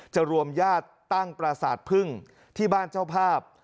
จะรวมญาติตั้งปราศาสตร์เพิ่งที่บ้านเจ้าภาพ